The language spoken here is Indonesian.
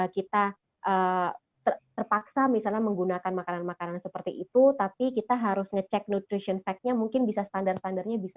kita terpaksa misalnya menggunakan makanan makanan seperti itu tapi kita harus ngecek nutrition fact nya mungkin bisa standar standarnya bisa